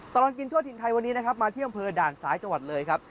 ตลอดกินทั่วถิ่นไทยวันนี้นะครับมาที่อำเภอด่านซ้ายจังหวัดเลยครับ